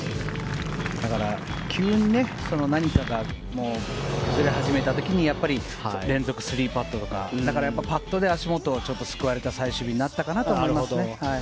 急に何かが崩れ始めた時に連続３パットとかパットで足元をすくわれた最終日になったと思います。